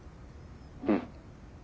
うん。